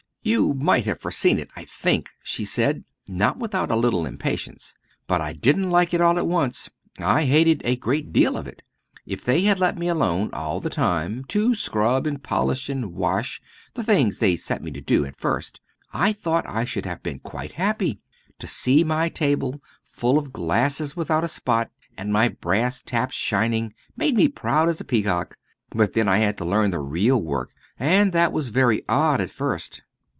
"You might have foreseen it, I think," she said, not without a little impatience. "But I didn't like it all at once. I hated a great deal of it. If they had let me alone all the time to scrub and polish and wash the things they set me to at first I thought I should have been quite happy. To see my table full of glasses without a spot, and my brass taps shining, made me as proud as a peacock! But then of course I had to learn the real work, and that was very odd at first."